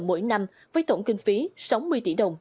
mỗi năm với tổng kinh phí sáu mươi tỷ đồng